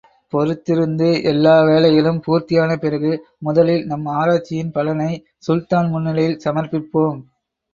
பொறுத்திருந்து, எல்லா வேலைகளும் பூர்த்தியான பிறகு, முதலில் நம் ஆராய்ச்சியின் பலனை சுல்தான் முன்னிலையில் சமர்ப்பிப்போம்.